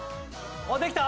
おっできた？